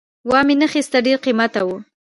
وامې نه خیسته ډېر قیمته وو